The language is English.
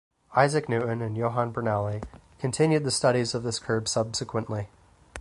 Isaac Newton and Johann Bernoulli continued the studies of this curve subsequently.